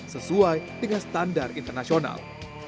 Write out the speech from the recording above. sesuai dengan standar internasional